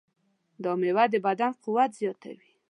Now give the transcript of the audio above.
دا مېوه د بدن قوت زیاتوي.